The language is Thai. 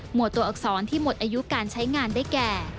วดตัวอักษรที่หมดอายุการใช้งานได้แก่